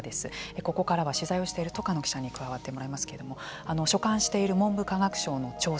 ここからは取材をしている戸叶記者に加わってもらいますけれども所管している文部科学省の調査